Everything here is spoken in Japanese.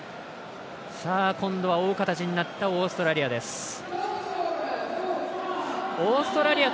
今度は追う形になったオーストラリア。